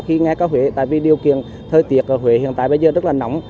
khi nghe cao huế tại vì điều kiện thời tiết ở huế hiện tại bây giờ rất là nóng